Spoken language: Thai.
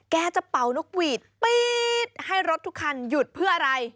แกจะเป่านกหวีดปี๊ดให้รถทุกคันหยุดเพื่ออะไร